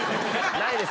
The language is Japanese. ないです